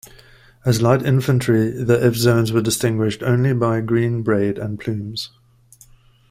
As light infantry the Evzones were distinguished only by green braid and plumes.